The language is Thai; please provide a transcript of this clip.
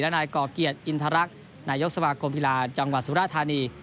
และนายก่อเกียรติอินทรักนายกสมกรมภิลาจังหวัดสุราธารณี